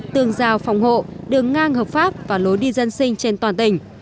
tường rào phòng hộ đường ngang hợp pháp và lối đi dân sinh trên toàn tỉnh